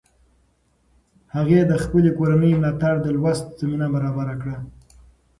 هغې د خپلې کورنۍ ملاتړ د لوست زمینه برابره کړه.